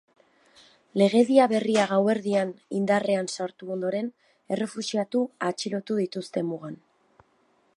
Legedia berria gauerdian indarrean sartu ondoren, errefuxiatu atxilotu dituzte mugan.